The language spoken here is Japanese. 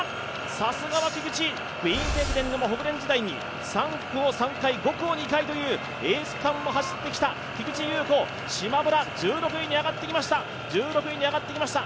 さすがは菊地、クイーンズ駅伝でもホクレン時代に３区を３回、５区を２回というエース区間も走ってきた菊地優子しまむら、１６位に上がってきました